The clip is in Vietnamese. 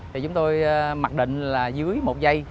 thì chúng tôi mặc định là dưới một giây